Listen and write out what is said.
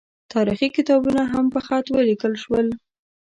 تاریخي کتابونه هم په خط ولیکل شول.